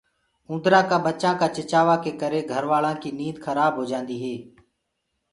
اُوندرآ ڪآ ٻڇآنٚ ڪآ چِڇآوآ ڪي ڪرآ گھروآلآ ڪي نيند کرآ هوجآندي هي۔